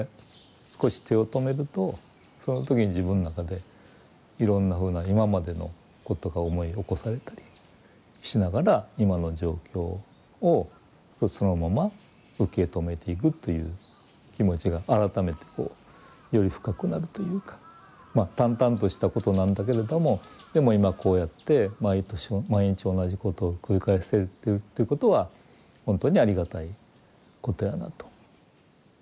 少し手を止めるとその時に自分の中でいろんなふうな今までのことが思い起こされたりしながら今の状況をそのまま受け止めていくという気持ちが改めてこうより深くなるというかまあ淡々としたことなんだけれどもでも今こうやって毎年毎日同じことを繰り返せてるということは本当にありがたいことやなと。